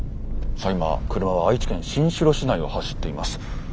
さあ今車は愛知県新城市内を走っています。